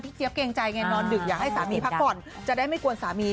เจี๊ยเกรงใจไงนอนดึกอยากให้สามีพักผ่อนจะได้ไม่กวนสามี